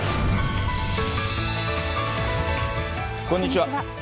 こんにちは。